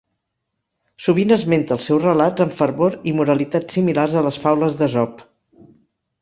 Sovint esmenta els seus relats amb fervor i moralitats similars a les faules d'Esop.